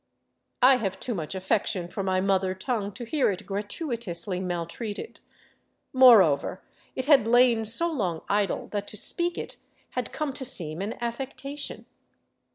I have too much affection for my mother tongue to hear it gratuitously maltreated; moreover, it had lain so long idle that to speak it had come to seem an affectation.